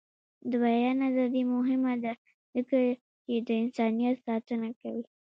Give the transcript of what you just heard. د بیان ازادي مهمه ده ځکه چې د انسانیت ساتنه کوي.